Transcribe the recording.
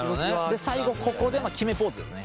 最後ここで決めポーズですね。